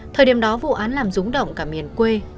thời điểm đó vụ án làm rúng động cả miền quê